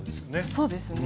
そうですね。